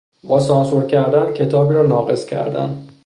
با سانسور کردن کتابی را ناقص کردن